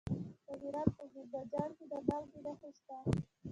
د هرات په زنده جان کې د مالګې نښې شته.